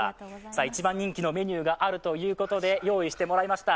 一番人気のメニューがあるということで用意してもらいました。